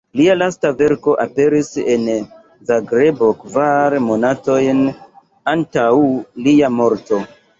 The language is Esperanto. Lia lasta verko aperis en Zagrebo kvar monatojn antaŭ lia morto.